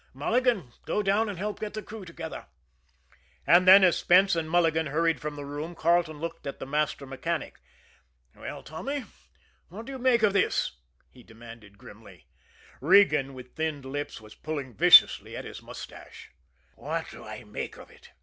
Mulligan, go down and help get the crew together." And then, as Spence and Mulligan hurried from the room, Carleton looked at the master mechanic. "Well, Tommy, what do you make of this?" he demanded grimly. Regan, with thinned lips, was pulling viciously at his mustache. "What do I make of it!"